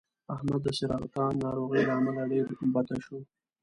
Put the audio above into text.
احمد د سرطان ناروغۍ له امله ډېر بته شو